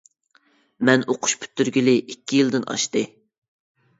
مەن ئوقۇش پۈتتۈرگىلى ئىككى يىلدىن ئاشتى.